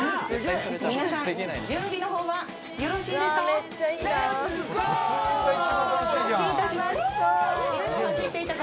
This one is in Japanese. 皆さん準備のほうはよろしいですか。